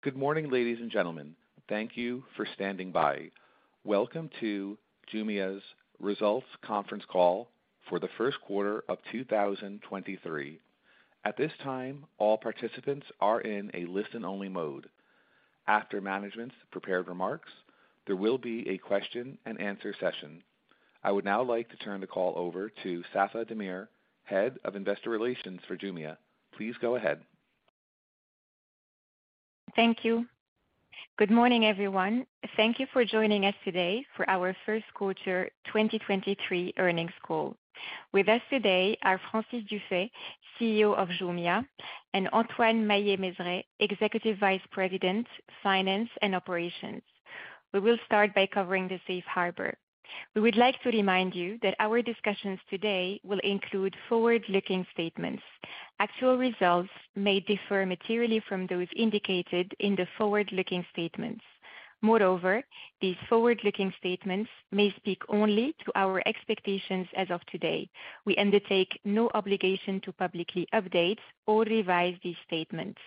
Good morning, ladies and gentlemen. Thank you for standing by. Welcome to Jumia's Results Conference Call for the first quarter of 2023. At this time, all participants are in a listen-only mode. After management's prepared remarks, there will be a question-and-answer session. I would now like to turn the call over to Safae Damir, Head of Investor Relations for Jumia. Please go ahead. Thank you. Good morning, everyone. Thank you for joining us today for our first quarter 2023 earnings call. With us today are Francis Dufay, CEO of Jumia, and Antoine Maillet-Mezeray, Executive Vice President, Finance and Operations. We will start by covering the Safe Harbor. We would like to remind you that our discussions today will include forward-looking statements. Actual results may differ materially from those indicated in the forward-looking statements. Moreover, these forward-looking statements may speak only to our expectations as of today. We undertake no obligation to publicly update or revise these statements.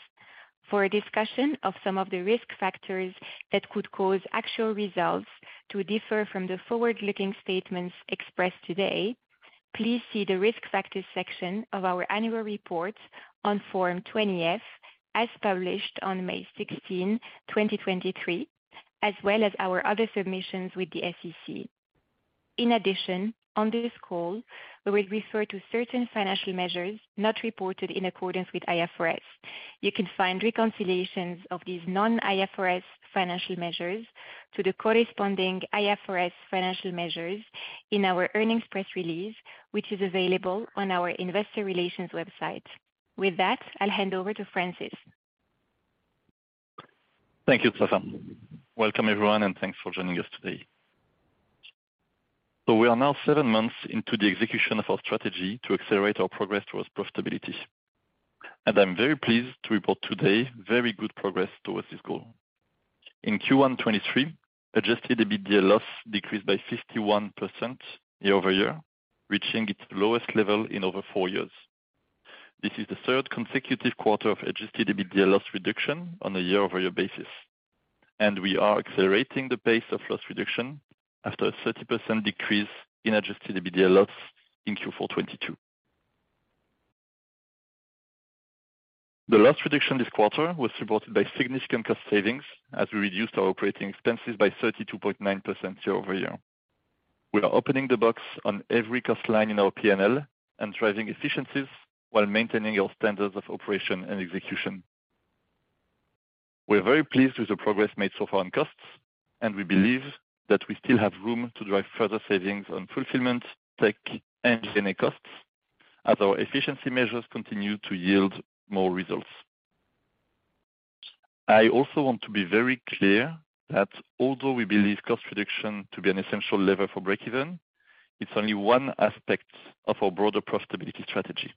For a discussion of some of the risk factors that could cause actual results to differ from the forward-looking statements expressed today, please see the Risk Factors section of our annual report on Form 20-F, as published on May 16, 2023, as well as our other submissions with the SEC. In addition, on this call, we will refer to certain financial measures not reported in accordance with IFRS. You can find reconciliations of these non-IFRS financial measures to the corresponding IFRS financial measures in our earnings press release, which is available on our investor relations website. With that, I'll hand over to Francis. Thank you, Safae. Welcome, everyone, and thanks for joining us today. We are now seven months into the execution of our strategy to accelerate our progress towards profitability. I'm very pleased to report today very good progress towards this goal. In Q1 2023, Adjusted EBITDA loss decreased by 51% year-over-year, reaching its lowest level in over four years. This is the third consecutive quarter of Adjusted EBITDA loss reduction on a year-over-year basis, and we are accelerating the pace of loss reduction after a 30% decrease in Adjusted EBITDA loss in Q4 2022. The loss reduction this quarter was supported by significant cost savings as we reduced our operating expenses by 32.9% year-over-year. We are opening the box on every cost line in our P&L and driving efficiencies while maintaining our standards of operation and execution. We are very pleased with the progress made so far on costs, and we believe that we still have room to drive further savings on fulfillment, tech, and G&A costs as our efficiency measures continue to yield more results. I also want to be very clear that although we believe cost reduction to be an essential lever for breakeven, it's only one aspect of our broader profitability strategy.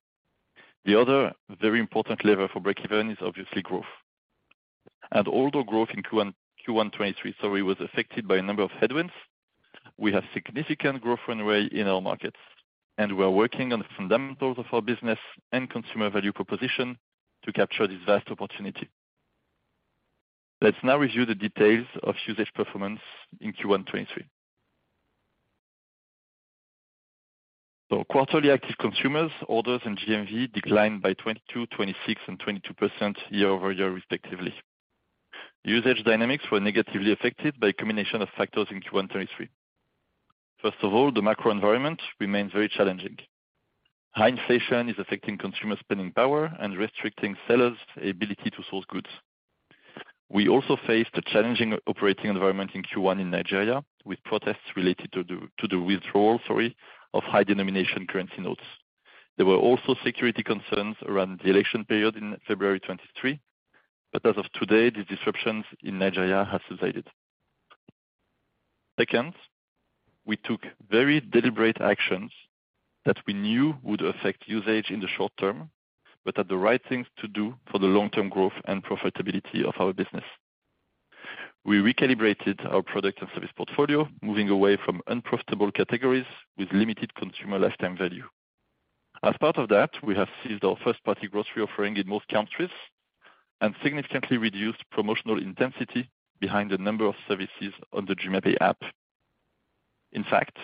The other very important lever for breakeven is obviously growth. Although growth in Q1 2023 was affected by a number of headwinds, we have significant growth runway in our markets, and we are working on the fundamentals of our business and consumer value proposition to capture this vast opportunity. Let's now review the details of usage performance in Q1 2023. Quarterly active consumers, orders, and GMV declined by 22%, 26%, and 22% year-over-year, respectively. Usage dynamics were negatively affected by a combination of factors in Q1 2023. The macro environment remains very challenging. High inflation is affecting consumer spending power and restricting sellers' ability to source goods. We also faced a challenging operating environment in Q1 in Nigeria with protests related to the withdrawal, sorry, of high denomination currency notes. There were also security concerns around the election period in February 2023. As of today, the disruptions in Nigeria have subsided. Second, we took very deliberate actions that we knew would affect usage in the short term, but are the right things to do for the long-term growth and profitability of our business. We recalibrated our product and service portfolio, moving away from unprofitable categories with limited consumer lifetime value. As part of that, we have ceased our first-party grocery offering in most countries and significantly reduced promotional intensity behind the number of services on the JumiaPay app. In fact,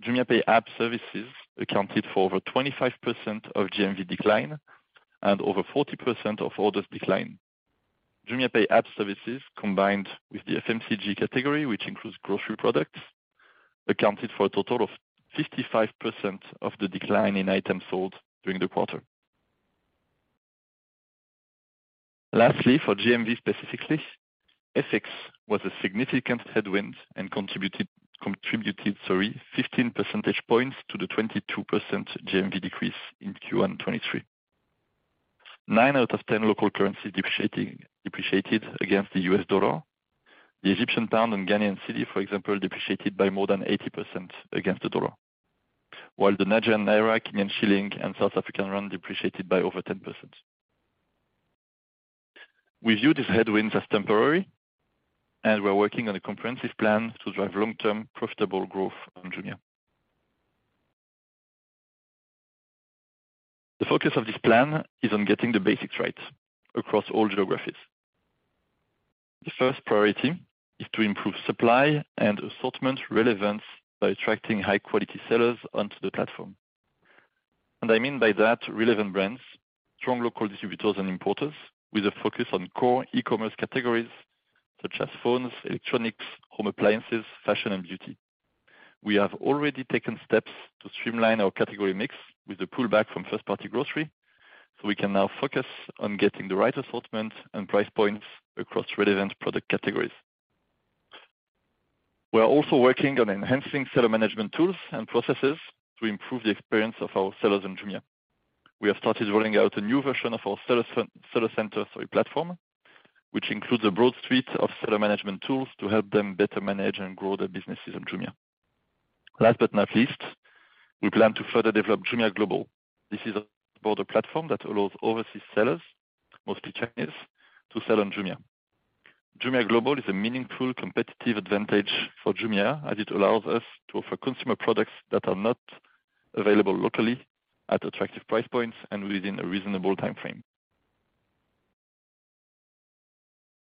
JumiaPay app services accounted for over 25% of GMV decline and over 40% of orders decline. JumiaPay app services, combined with the FMCG category, which includes grocery products, accounted for a total of 55% of the decline in items sold during the quarter. Lastly, for GMV specifically, FX was a significant headwind and contributed, sorry, 15 percentage points to the 22% GMV decrease in Q1 2023. Nine out of 10 local currencies depreciated against the US dollar. The Egyptian pound and Ghanaian cedi, for example, depreciated by more than 80% against the dollar, while the Nigerian naira, Kenyan shilling, and South African rand depreciated by over 10%. We view these headwinds as temporary. We're working on a comprehensive plan to drive long-term profitable growth on Jumia. The focus of this plan is on getting the basics right across all geographies. The first priority is to improve supply and assortment relevance by attracting high quality sellers onto the platform. I mean by that, relevant brands, strong local distributors and importers with a focus on core e-commerce categories such as phones, electronics, home appliances, fashion and beauty. We have already taken steps to streamline our category mix with the pullback from first party grocery. We can now focus on getting the right assortment and price points across relevant product categories. We are also working on enhancing seller management tools and processes to improve the experience of our sellers in Jumia. We have started rolling out a new version of our Seller Center platform, which includes a broad suite of seller management tools to help them better manage and grow their businesses on Jumia. Last but not least, we plan to further develop Jumia Global. This is about a platform that allows overseas sellers, mostly Chinese, to sell on Jumia. Jumia Global is a meaningful competitive advantage for Jumia as it allows us to offer consumer products that are not available locally at attractive price points and within a reasonable time frame.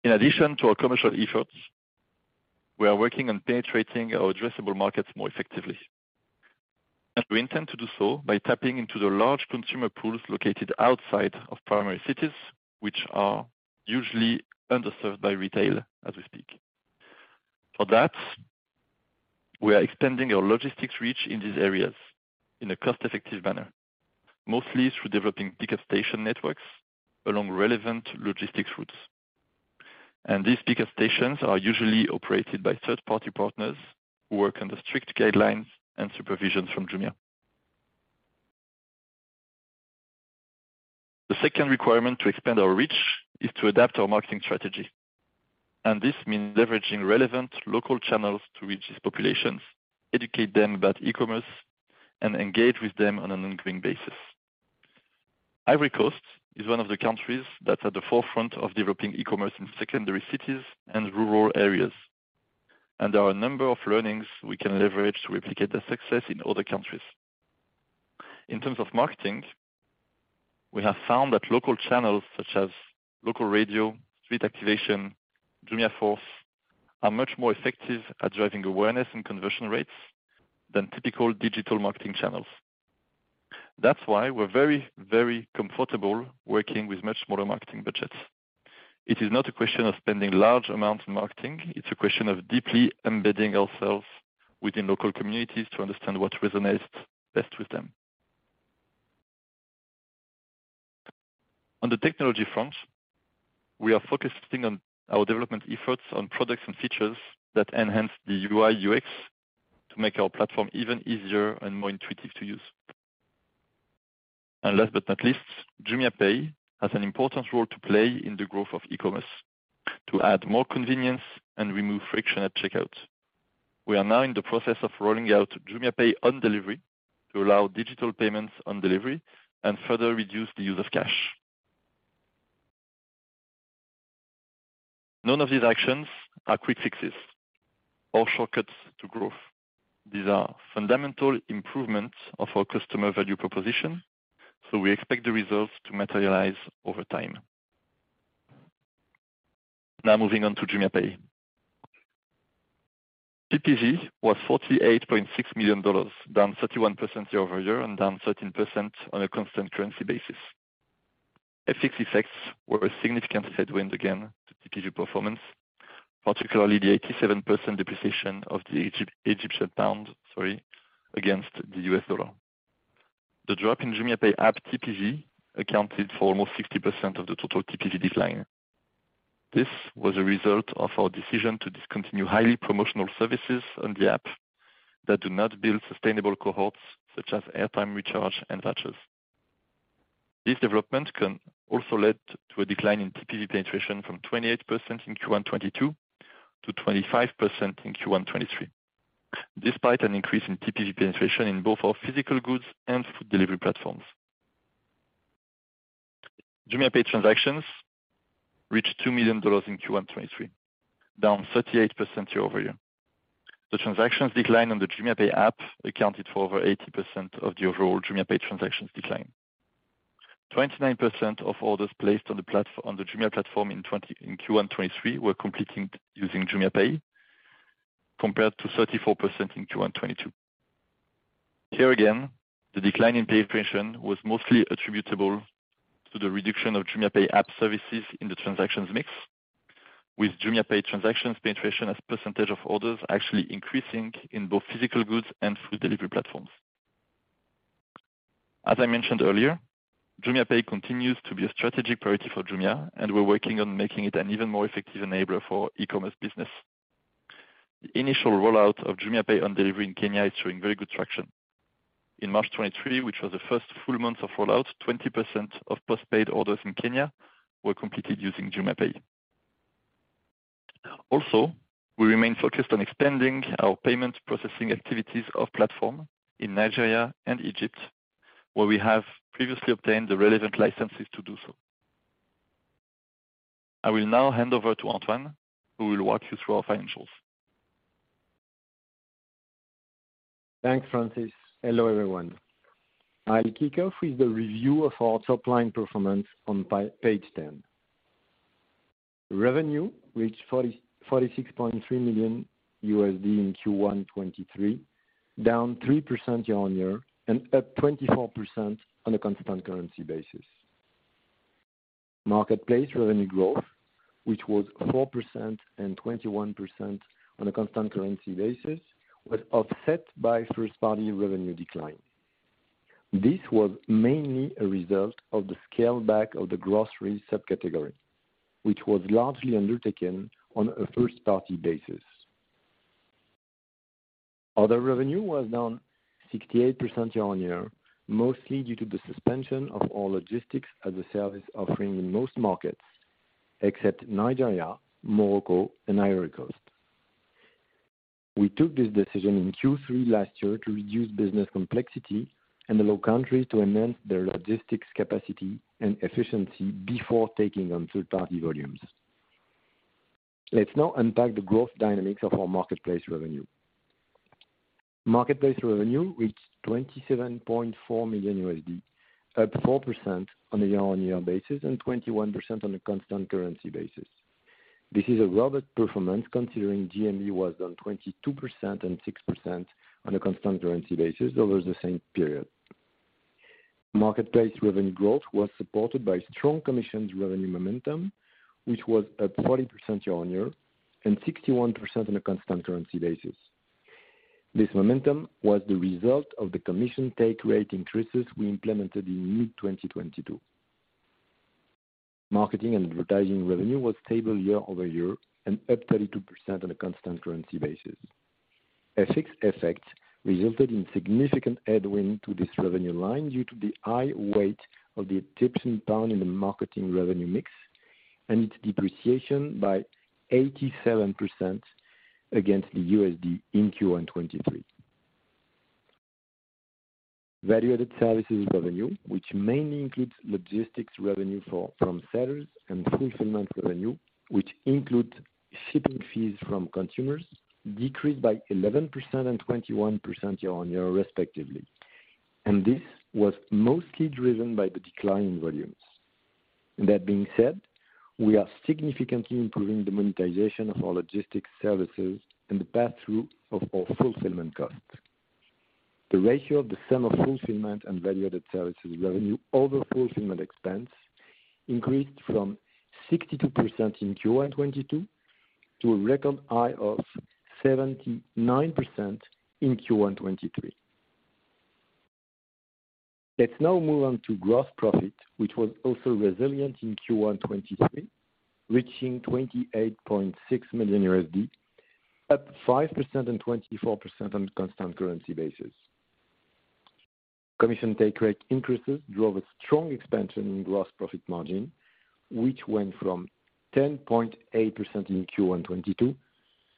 In addition to our commercial efforts, we are working on penetrating our addressable markets more effectively. We intend to do so by tapping into the large consumer pools located outside of primary cities, which are usually underserved by retail as we speak. For that, we are expanding our logistics reach in these areas in a cost-effective manner, mostly through developing pickup station networks along relevant logistics routes. These pickup stations are usually operated by third party partners who work under strict guidelines and supervisions from Jumia. The second requirement to expand our reach is to adapt our marketing strategy. This means leveraging relevant local channels to reach these populations, educate them about e-commerce, and engage with them on an ongoing basis. Ivory Coast is one of the countries that's at the forefront of developing e-commerce in secondary cities and rural areas, and there are a number of learnings we can leverage to replicate their success in other countries. In terms of marketing, we have found that local channels such as local radio, street activation, JForce, are much more effective at driving awareness and conversion rates than typical digital marketing channels. That's why we're very, very comfortable working with much smaller marketing budgets. It is not a question of spending large amounts on marketing. It's a question of deeply embedding ourselves within local communities to understand what resonates best with them. On the technology front, we are focusing on our development efforts on products and features that enhance the UI/UX to make our platform even easier and more intuitive to use. Last but not least, JumiaPay has an important role to play in the growth of e-commerce. To add more convenience and remove friction at checkout, we are now in the process of rolling out JumiaPay on delivery to allow digital payments on delivery and further reduce the use of cash. None of these actions are quick fixes or shortcuts to growth. These are fundamental improvements of our customer value proposition, we expect the results to materialize over time. Moving on to JumiaPay. TPV was $48.6 million, down 31% year-over-year and down 13% on a constant currency basis. FX effects were a significant headwind again to TPV performance, particularly the 87% depreciation of the Egyptian pound, sorry, against the US dollar. The drop in JumiaPay app TPV accounted for almost 60% of the total TPV decline. This was a result of our decision to discontinue highly promotional services on the app that do not build sustainable cohorts such as airtime recharge and vouchers. This development can also lead to a decline in TPV penetration from 28% in Q1 2022 to 25% in Q1 2023. Despite an increase in TPV penetration in both our physical goods and food delivery platforms. JumiaPay transactions reached $2 million in Q1 2023, down 38% year-over-year. The transactions decline on the JumiaPay app accounted for over 80% of the overall JumiaPay transactions decline. 29% of orders placed on the Jumia platform in Q1 2023 were completed using JumiaPay, compared to 34% in Q1 2022. Here again, the decline in pay penetration was mostly attributable to the reduction of JumiaPay app services in the transactions mix, with JumiaPay transactions penetration as percentage of orders actually increasing in both physical goods and food delivery platforms. As I mentioned earlier, JumiaPay continues to be a strategic priority for Jumia, and we're working on making it an even more effective enabler for e-commerce business. The initial rollout of JumiaPay on delivery in Kenya is showing very good traction. In March 2023, which was the first full month of rollout, 20% of postpaid orders in Kenya were completed using JumiaPay. We remain focused on expanding our payment processing activities of platform in Nigeria and Egypt, where we have previously obtained the relevant licenses to do so. I will now hand over to Antoine, who will walk you through our financials. Thanks, Francis. Hello, everyone. I'll kick off with the review of our top-line performance on page 10. Revenue reached $46.3 million in Q1 2023, down 3% year-on-year and up 24% on a constant currency basis. Marketplace revenue growth, which was 4% and 21% on a constant currency basis, was offset by first-party revenue decline. This was mainly a result of the scale back of the grocery subcategory, which was largely undertaken on a first-party basis. Other revenue was down 68% year-on-year, mostly due to the suspension of our logistics-as-a-service offering in most markets except Nigeria, Morocco, and Ivory Coast. We took this decision in Q3 last year to reduce business complexity and allow countries to enhance their logistics capacity and efficiency before taking on third-party volumes. Let's now unpack the growth dynamics of our marketplace revenue. Marketplace revenue reached $27.4 million, up 4% on a year-on-year basis and 21% on a constant currency basis. This is a robust performance considering GMV was down 22% and 6% on a constant currency basis over the same period. Marketplace revenue growth was supported by strong commissions revenue momentum, which was up 40% year-on-year and 61% on a constant currency basis. This momentum was the result of the commission take rate increases we implemented in mid-2022. Marketing and advertising revenue was stable year-over-year and up 32% on a constant currency basis. FX effects resulted in significant headwind to this revenue line due to the high weight of the Egyptian pound in the marketing revenue mix and its depreciation by 87% against the USD in Q1 2023. Value-added services revenue, which mainly includes logistics revenue from sellers and fulfillment revenue, which includes shipping fees from consumers, decreased by 11% and 21% year-on-year respectively. This was mostly driven by the decline in volumes. That being said, we are significantly improving the monetization of our logistics services and the pass-through of our fulfillment costs. The ratio of the sum of fulfillment and value-added services revenue over fulfillment expense increased from 62% in Q1 2022 to a record high of 79% in Q1 2023. Let's now move on to gross profit, which was also resilient in Q1 2023, reaching $28.6 million, up 5% and 24% on a constant currency basis. Commission take rate increases drove a strong expansion in gross profit margin, which went from 10.8% in Q1 2022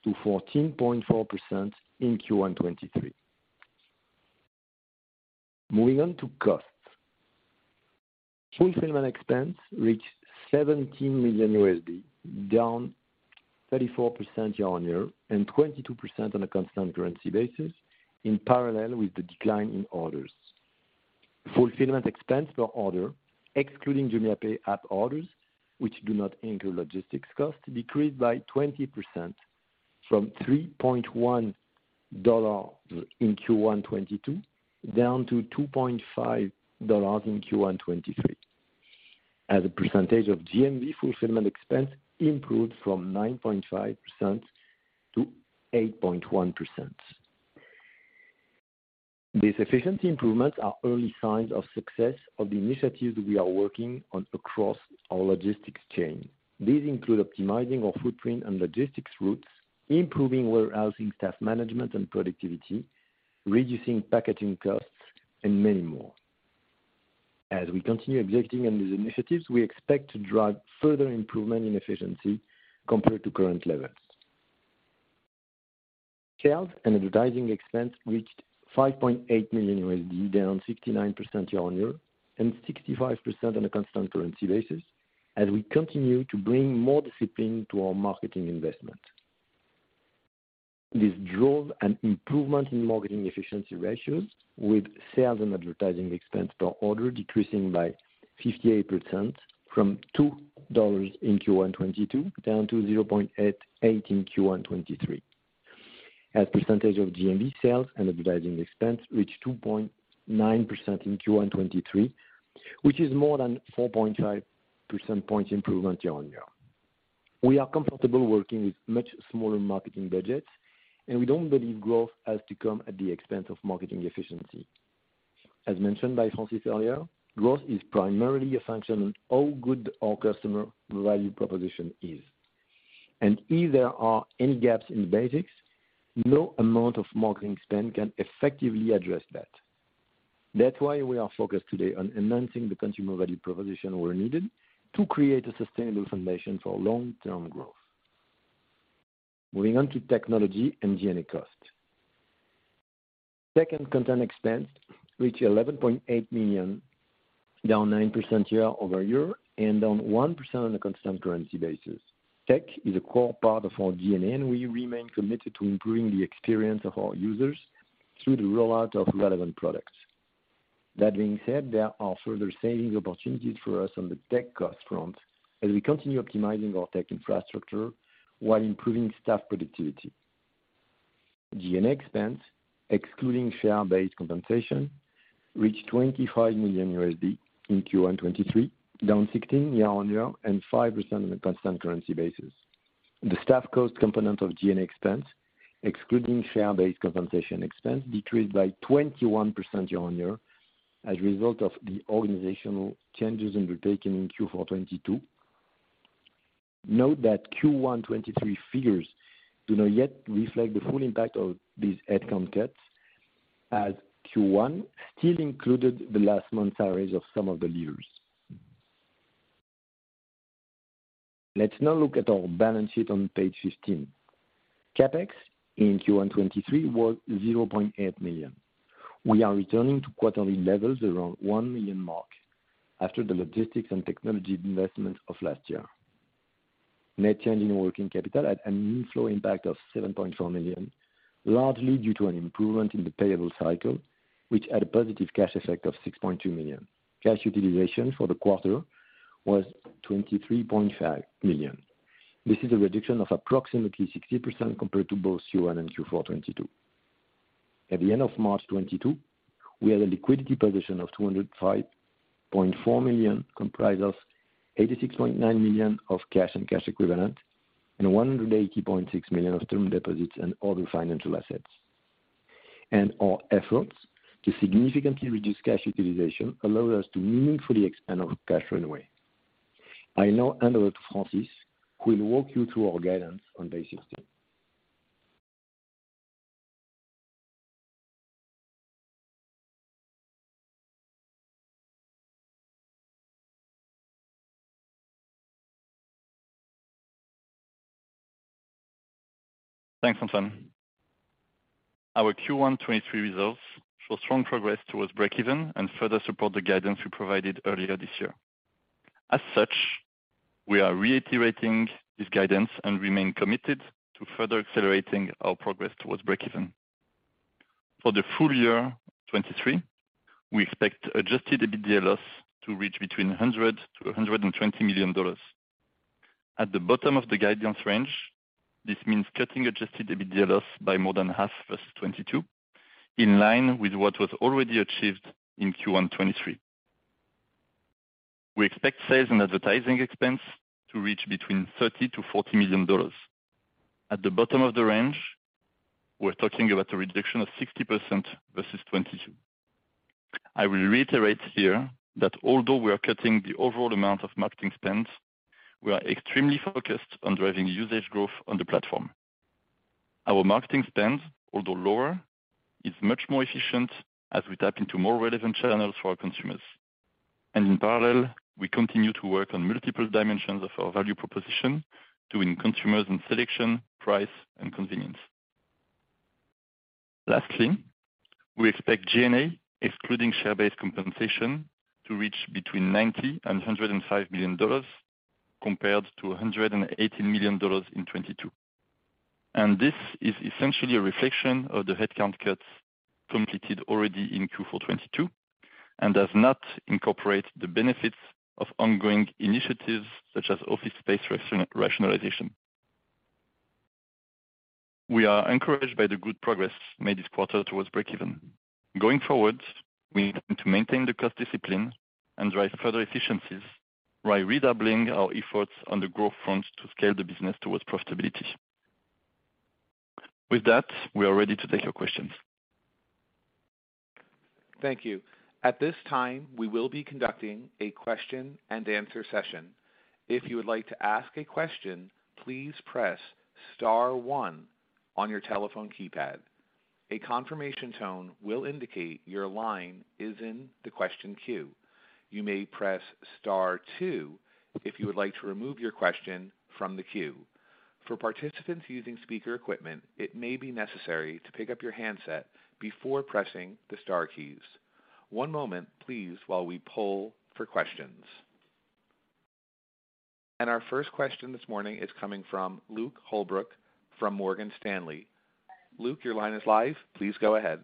to 14.4% in Q1 2023. Moving on to costs. Fulfillment expense reached $17 million, down 34% year-on-year and 22% on a constant currency basis in parallel with the decline in orders. Fulfillment expense per order, excluding JumiaPay app orders, which do not include logistics costs, decreased by 20% from $3.1 in Q1 2022, down to $2.5 in Q1 2023. As a percentage of GMV, fulfillment expense improved from 9.5% to 8.1%. These efficiency improvements are early signs of success of the initiatives we are working on across our logistics chain. These include optimizing our footprint and logistics routes, improving warehousing staff management and productivity, reducing packaging costs, and many more. As we continue executing on these initiatives, we expect to drive further improvement in efficiency compared to current levels. Sales and advertising expense reached $5.8 million, down 69% year-on-year and 65% on a constant currency basis, as we continue to bring more discipline to our marketing investment. This drove an improvement in marketing efficiency ratios with sales and advertising expense per order decreasing by 58% from $2 in Q1 2022, down to $0.88 in Q1 2023. As a percentage of GMV, sales and advertising expense reached 2.9% in Q1 2023, which is more than 4.5 percentage points improvement year-on-year. We are comfortable working with much smaller marketing budgets. We don't believe growth has to come at the expense of marketing efficiency. As mentioned by Francis earlier, growth is primarily a function on how good our customer value proposition is. If there are any gaps in the basics, no amount of marketing spend can effectively address that. That's why we are focused today on enhancing the consumer value proposition where needed to create a sustainable foundation for long-term growth. Moving on to technology and G&A costs. Tech and content expense reached $11.8 million-Down 9% year-over-year and down 1% on a constant currency basis. Tech is a core part of our DNA. We remain committed to improving the experience of our users through the rollout of relevant products. That being said, there are further savings opportunities for us on the tech cost front as we continue optimizing our tech infrastructure while improving staff productivity. GNA expense, excluding share-based compensation, reached $25 million in Q1 2023, down 16% year-on-year and 5% on a constant currency basis. The staff cost component of GNA expense, excluding share-based compensation expense, decreased by 21% year-on-year as a result of the organizational changes undertaken in Q4 2022. Note that Q1 2023 figures do not yet reflect the full impact of these headcount cuts, as Q1 still included the last month's salaries of some of the leaders. Let's now look at our balance sheet on page 15. CapEx in Q1 2023 was $0.8 million. We are returning to quarterly levels around $1 million mark after the logistics and technology investment of last year. Net change in working capital at an inflow impact of $7.4 million, largely due to an improvement in the payable cycle, which had a positive cash effect of $6.2 million. Cash utilization for the quarter was $23.5 million. This is a reduction of approximately 60% compared to both Q1 and Q4 2022. At the end of March 2022, we had a liquidity position of $205.4 million, comprised of $86.9 million of cash and cash equivalent and $180.6 million of term deposits and other financial assets. Our efforts to significantly reduce cash utilization allowed us to meaningfully expand our cash runway. I now hand over to Francis, who will walk you through our guidance on page 16. Thanks, Antoine. Our Q1 2023 results show strong progress towards breakeven and further support the guidance we provided earlier this year. As such, we are reiterating this guidance and remain committed to further accelerating our progress towards breakeven. For the full year 2023, we expect Adjusted EBITDA loss to reach between $100 million-$120 million. At the bottom of the guidance range, this means cutting Adjusted EBITDA loss by more than half versus 2022, in line with what was already achieved in Q1 2023. We expect sales and advertising expense to reach between $30 million-$40 million. At the bottom of the range, we're talking about a reduction of 60% versus 2022. I will reiterate here that although we are cutting the overall amount of marketing spends, we are extremely focused on driving usage growth on the platform. Our marketing spends, although lower, is much more efficient as we tap into more relevant channels for our consumers. In parallel, we continue to work on multiple dimensions of our value proposition to win consumers in selection, price, and convenience. Lastly, we expect GNA, excluding share-based compensation, to reach between $90 million and $105 million compared to $118 million in 2022. This is essentially a reflection of the headcount cuts completed already in Q4 2022 and does not incorporate the benefits of ongoing initiatives such as office space rationalization. We are encouraged by the good progress made this quarter towards breakeven. Going forward, we need to maintain the cost discipline and drive further efficiencies while redoubling our efforts on the growth front to scale the business towards profitability. With that, we are ready to take your questions. Thank you. At this time, we will be conducting a question and answer session. If you would like to ask a question, please press star one on your telephone keypad. A confirmation tone will indicate your line is in the question queue. You may press star two if you would like to remove your question from the queue. For participants using speaker equipment, it may be necessary to pick up your handset before pressing the star keys. One moment, please, while we poll for questions. Our first question this morning is coming from Luke Holbrook from Morgan Stanley. Luke, your line is live. Please go ahead.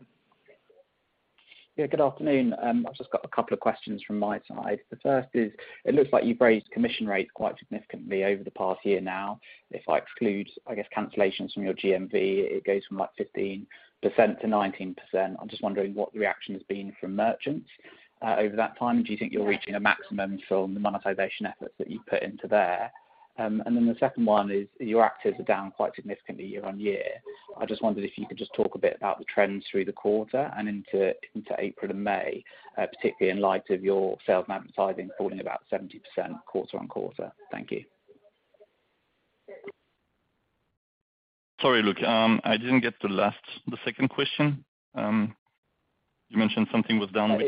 Good afternoon. I've just got a couple of questions from my side. The first is, it looks like you've raised commission rates quite significantly over the past year now. If I exclude, I guess, cancellations from your GMV, it goes from, like, 15%-19%. I'm just wondering what the reaction has been from merchants over that time. Do you think you're reaching a maximum from the monetization efforts that you put into there? The second one is your actives are down quite significantly year-on-year. I just wondered if you could just talk a bit about the trends through the quarter and into April and May, particularly in light of your sales and advertising falling about 70% quarter-on-quarter. Thank you. Sorry, Luke. I didn't get The second question. You mentioned something was down.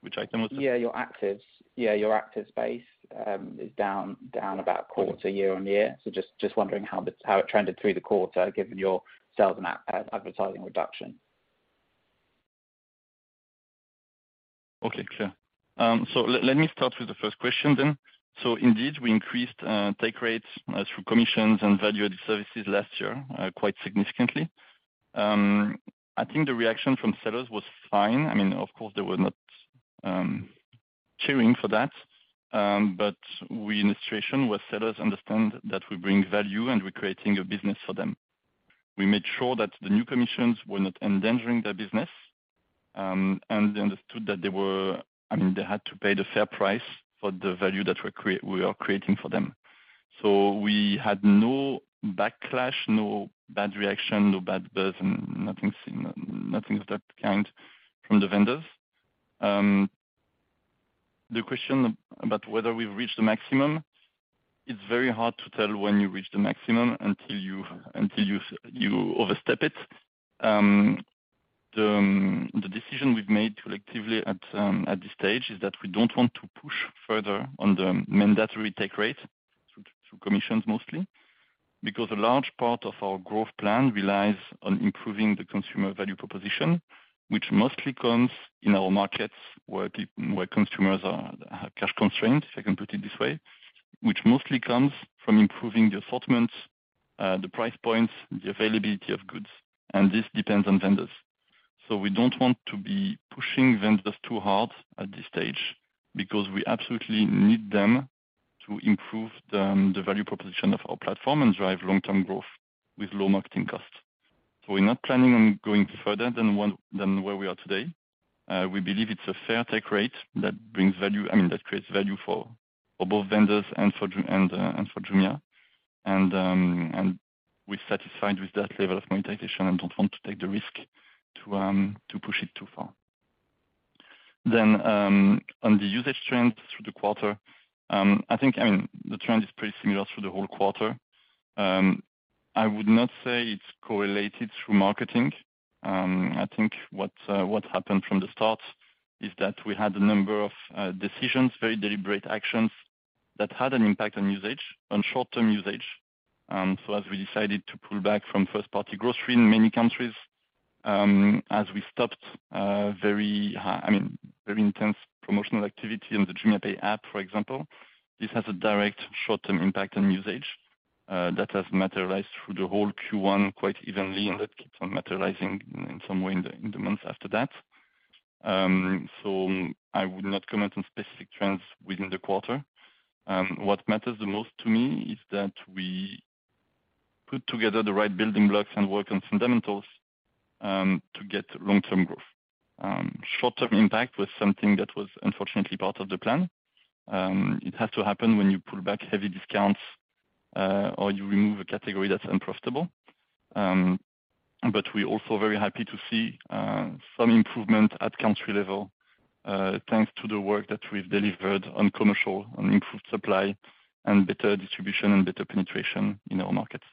Which item was it? Yeah, your actives base is down about quarter year-on-year. Just wondering how it trended through the quarter, given your sales and advertising reduction? Okay, clear. Let me start with the first question. Indeed, we increased take rates through commissions and value-added services last year, quite significantly. I think the reaction from sellers was fine. I mean, of course, they were not cheering for that. We in the situation where sellers understand that we bring value and we're creating a business for them. We made sure that the new commissions were not endangering their business, they understood that I mean, they had to pay the fair price for the value that we are creating for them. We had no backlash, no bad reaction, no bad buzz, nothing of that kind from the vendors. The question about whether we've reached the maximum, it's very hard to tell when you overstep it. The decision we've made collectively at this stage is that we don't want to push further on the mandatory take rate through commissions mostly, because a large part of our growth plan relies on improving the consumer value proposition, which mostly comes in our markets where consumers are, have cash constraints, if I can put it this way, which mostly comes from improving the assortments, the price points, the availability of goods, and this depends on vendors. We don't want to be pushing vendors too hard at this stage because we absolutely need them to improve the value proposition of our platform and drive long-term growth with low marketing costs. We're not planning on going further than where we are today. We believe it's a fair take rate that brings value... I mean, that creates value for both vendors and for Jumia. We're satisfied with that level of monetization and don't want to take the risk to push it too far. On the usage trends through the quarter, I think, I mean, the trend is pretty similar through the whole quarter. I would not say it's correlated through marketing. I think what happened from the start is that we had a number of decisions, very deliberate actions that had an impact on usage, on short-term usage. As we decided to pull back from first-party grocery in many countries, as we stopped, I mean, very intense promotional activity on the JumiaPay app, for example, this has a direct short-term impact on usage, that has materialized through the whole Q1 quite evenly, and that keeps on materializing in some way in the months after that. I would not comment on specific trends within the quarter. What matters the most to me is that we put together the right building blocks and work on fundamentals, to get long-term growth. Short-term impact was something that was unfortunately part of the plan. It has to happen when you pull back heavy discounts, or you remove a category that's unprofitable. We're also very happy to see, some improvement at country level, thanks to the work that we've delivered on commercial and improved supply and better distribution and better penetration in our markets.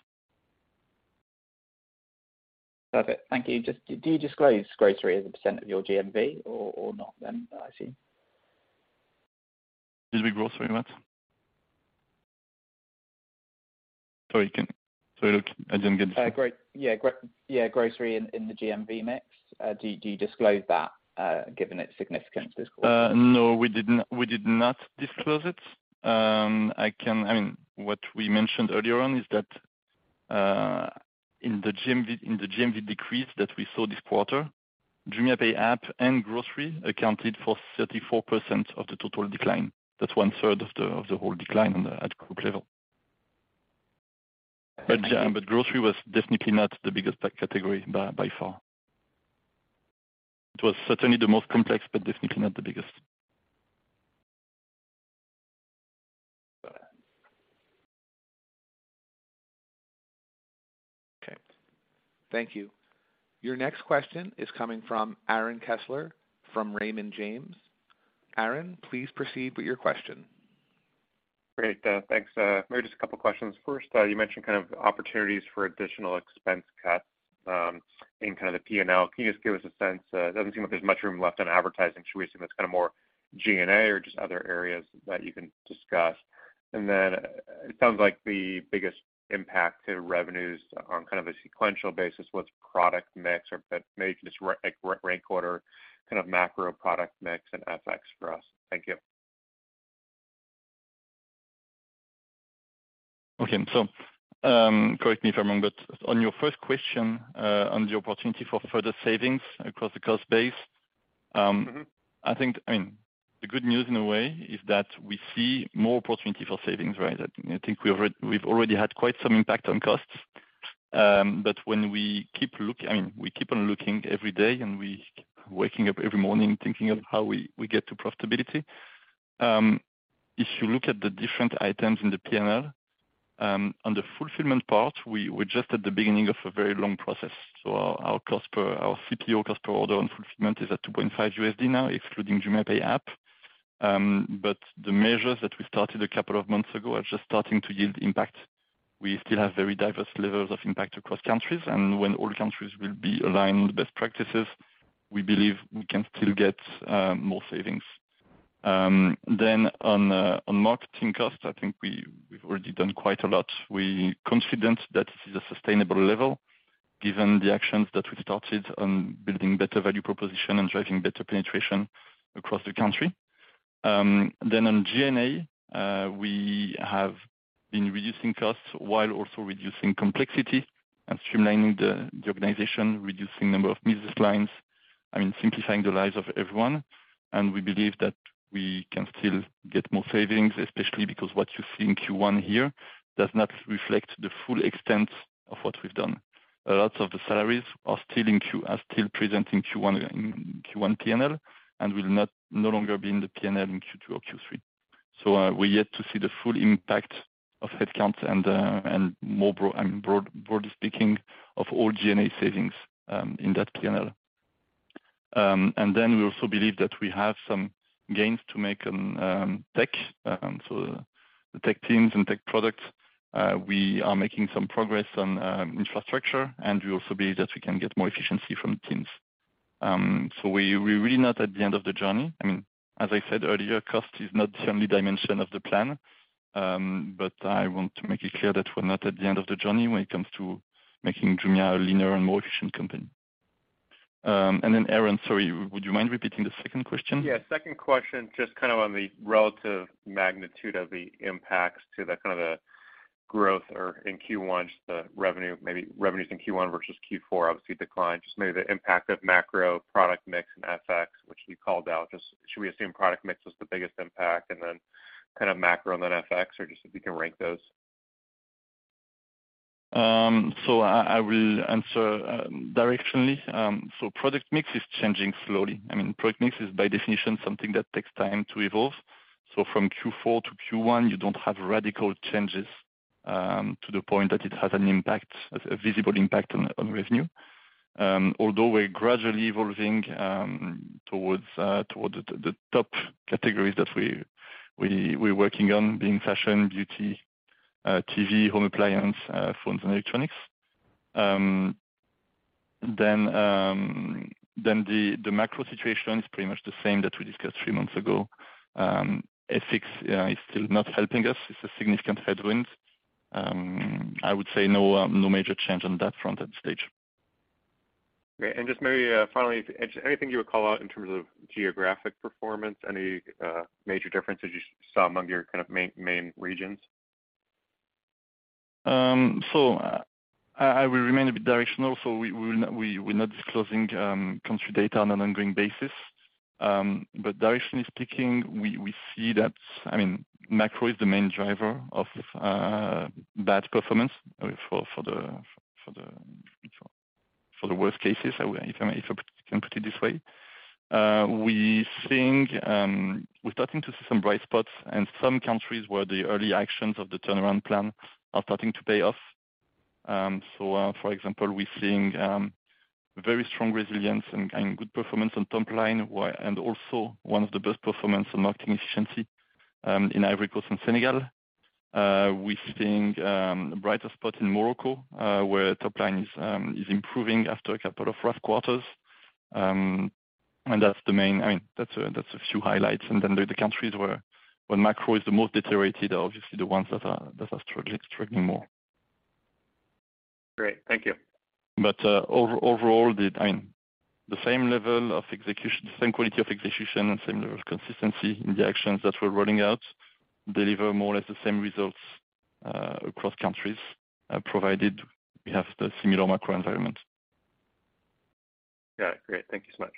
Perfect. Thank you. Just do you disclose grocery as a percent of your GMV or not then? I see. Did we grocery, Matt? Sorry, look, I didn't get this. Great. Yeah, grocery in the GMV mix. Do you disclose that, given its significance this quarter? No, we did not disclose it. I mean, what we mentioned earlier on is that in the GMV, in the GMV decrease that we saw this quarter, JumiaPay app and grocery accounted for 34% of the total decline. That's one-third of the whole decline on the ad group level. Yeah, but grocery was definitely not the biggest category by far. It was certainly the most complex, but definitely not the biggest. Got it. Okay. Thank you. Your next question is coming from Aaron Kessler from Raymond James. Aaron, please proceed with your question. Great, thanks. Maybe just a couple of questions. First, you mentioned kind of opportunities for additional expense cuts in kind of the P&L. Can you just give us a sense? It doesn't seem like there's much room left on advertising. Should we assume it's kind of more G&A or just other areas that you can discuss? It sounds like the biggest impact to revenues on kind of a sequential basis was product mix or maybe just rank order, kind of macro product mix and FX for us. Thank you. Okay. Correct me if I'm wrong, but on your first question, on the opportunity for further savings across the cost base- Mm-hmm. The good news in a way is that we see more opportunity for savings, right? We've already had quite some impact on costs. When we keep on looking every day, and we waking up every morning thinking of how we get to profitability. If you look at the different items in the P&L, on the fulfillment part, we're just at the beginning of a very long process. Our CPO, cost per order on fulfillment is at $2.5 now, excluding JumiaPay app. The measures that we started a couple of months ago are just starting to yield impact. We still have very diverse levels of impact across countries. When all countries will be aligned with best practices, we believe we can still get more savings. On marketing costs, I think we've already done quite a lot. We confident that this is a sustainable level given the actions that we started on building better value proposition and driving better penetration across the country. On G&A, we have been reducing costs while also reducing complexity and streamlining the organization, reducing number of business lines, I mean, simplifying the lives of everyone. We believe that we can still get more savings, especially because what you see in Q1 here does not reflect the full extent of what we've done. Lots of the salaries are still present in Q1, in Q1 PNL, and will no longer be in the PNL in Q2 or Q3. We're yet to see the full impact of headcounts and more broadly speaking of all G&A savings in that PNL. We also believe that we have some gains to make on tech. The tech teams and tech products, we are making some progress on infrastructure, and we also believe that we can get more efficiency from teams. We're really not at the end of the journey. As I said earlier, cost is not the only dimension of the plan. I want to make it clear that we're not at the end of the journey when it comes to making Jumia a leaner and more efficient company. Aaron, sorry, would you mind repeating the second question? Yeah, second question, just kind of on the relative magnitude of the impacts to the kind of the growth or in Q1, just the revenue, maybe revenues in Q1 versus Q4 obviously declined. Just maybe the impact of macro product mix and FX, which you called out. Just should we assume product mix was the biggest impact and then kind of macro and then FX or just if you can rank those? I will answer directionally. Product mix is changing slowly. I mean, product mix is by definition something that takes time to evolve. From Q4 to Q1, you don't have radical changes to the point that it has a visible impact on revenue. Although we're gradually evolving towards toward the top categories that we're working on being fashion, beauty, TV, home appliance, phones and electronics. The macro situation is pretty much the same that we discussed three months ago. FX is still not helping us. It's a significant headwind. I would say no major change on that front at this stage. Great. Just maybe, finally, anything you would call out in terms of geographic performance, any major differences you saw among your kind of main regions? I will remain a bit directional. We will not, we're not disclosing country data on an ongoing basis. Directionally speaking, we see that, I mean, macro is the main driver of bad performance for the worst cases, if I can put it this way. We seeing we're starting to see some bright spots in some countries where the early actions of the turnaround plan are starting to pay off. For example, we're seeing very strong resilience and good performance on top line and also one of the best performance on marketing efficiency in Ivory Coast and Senegal. We're seeing brighter spots in Morocco, where top line is improving after a couple of rough quarters. I mean, that's a few highlights. The countries where macro is the most deteriorated are obviously the ones that are struggling more. Great. Thank you. overall, the, I mean, the same level of execution, same quality of execution and same level of consistency in the actions that we're rolling out deliver more or less the same results, across countries, provided we have the similar macro environment. Got it. Great. Thank you so much.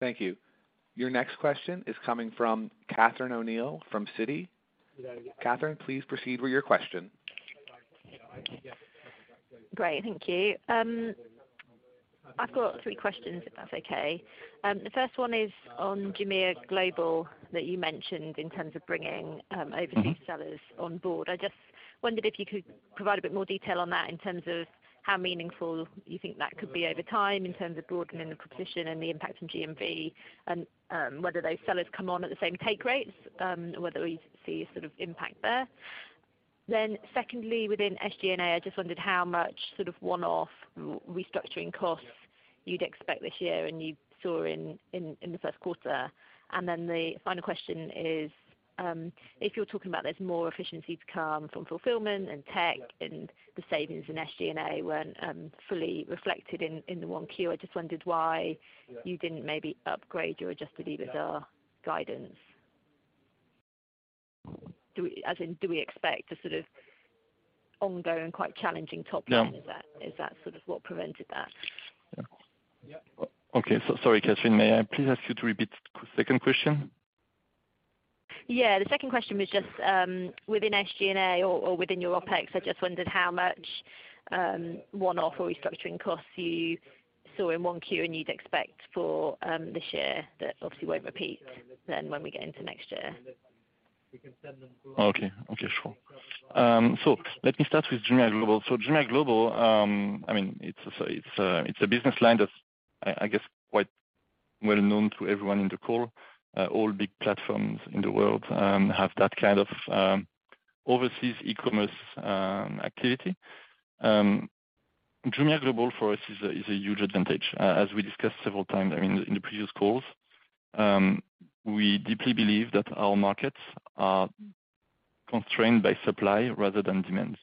Thank you. Your next question is coming from Catherine O'Neill from Citi. Catherine, please proceed with your question. Great. Thank you. I've got three questions, if that's okay. The first one is on Jumia Global that you mentioned in terms of bringing overseas sellers on board. I just wondered if you could provide a bit more detail on that in terms of how meaningful you think that could be over time in terms of broadening the proposition and the impact on GMV and whether those sellers come on at the same take rates and whether we see a sort of impact there. Secondly, within SG&A, I just wondered how much sort of one-off restructuring costs you'd expect this year, and you saw in the first quarter. The final question is, if you're talking about there's more efficiency to come from fulfillment and tech and the savings in SG&A weren't fully reflected in Q1, I just wondered why you didn't maybe upgrade your Adjusted EBITDA guidance. Do we expect a sort of ongoing, quite challenging top line? No. Is that, is that sort of what prevented that? Yeah. Okay. sorry, Catherine, may I please ask you to repeat the second question? Yeah. The second question was just, within SG&A or within your OpEx, I just wondered how much one-off or restructuring costs you saw in Q1, and you'd expect for this year that obviously won't repeat then when we get into next year. Okay. Okay, sure. Let me start with Jumia Global. Jumia Global, I mean, it's a business line that's, I guess, quite well known to everyone in the call. All big platforms in the world have that kind of overseas e-commerce activity. Jumia Global for us is a, is a huge advantage. As we discussed several times, I mean, in the previous calls. We deeply believe that our markets are constrained by supply rather than demand.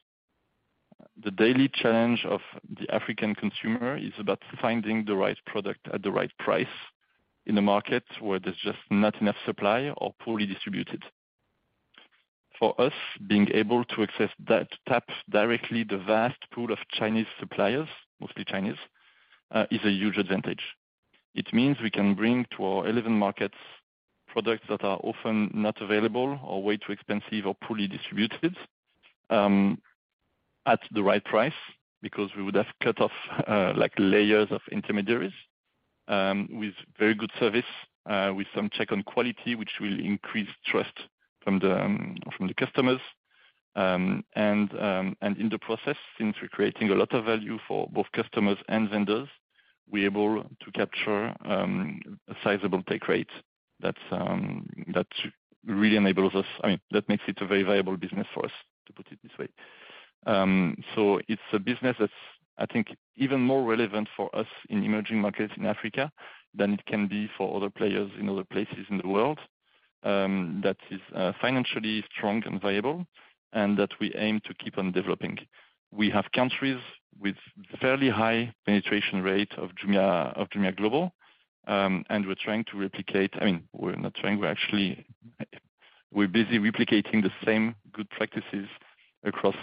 The daily challenge of the African consumer is about finding the right product at the right price in a market where there's just not enough supply or poorly distributed. For us, being able to access that tap directly the vast pool of Chinese suppliers, mostly Chinese, is a huge advantage. It means we can bring to our 11 markets products that are often not available or way too expensive or poorly distributed, at the right price, because we would have cut off, like, layers of intermediaries, with very good service, with some check on quality, which will increase trust from the customers. In the process, since we're creating a lot of value for both customers and vendors, we're able to capture a sizable take rate that really enables us... I mean, that makes it a very viable business for us, to put it this way. It's a business that's, I think, even more relevant for us in emerging markets in Africa than it can be for other players in other places in the world, that is financially strong and viable and that we aim to keep on developing. We have countries with fairly high penetration rate of Jumia, of Jumia Global. We're trying to replicate, I mean, we're not trying, we're actually busy replicating the same good practices across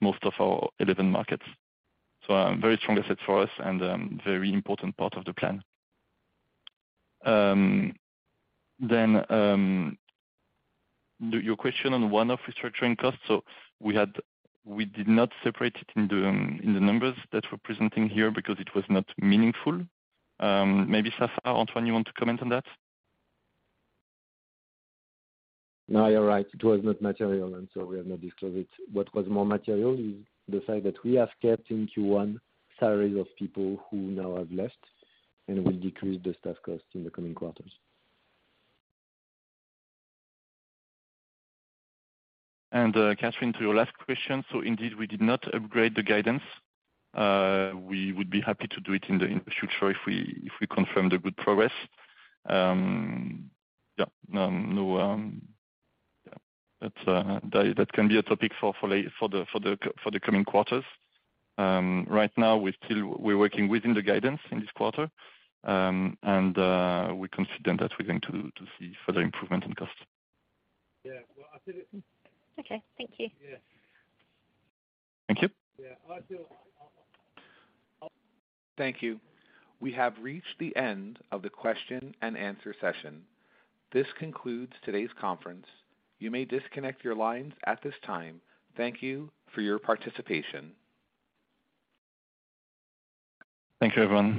most of our 11 markets. A very strong asset for us and a very important part of the plan. Your question on one-off restructuring costs. We did not separate it in the numbers that we're presenting here because it was not meaningful. Maybe Safae, Antoine, you want to comment on that? No, you're right. It was not material. We have not disclosed it. What was more material is the fact that we have kept in Q1 salaries of people who now have left. We'll decrease the staff costs in the coming quarters. Catriona, to your last question. Indeed, we did not upgrade the guidance. We would be happy to do it in the future if we confirm the good progress. That can be a topic for the coming quarters. Right now we're working within the guidance in this quarter. We're confident that we're going to see further improvement in costs. Yeah. Well, I think. Okay. Thank you. Yeah. Thank you. Yeah. Thank you. We have reached the end of the question and answer session. This concludes today's conference. You may disconnect your lines at this time. Thank you for your participation. Thank you, everyone.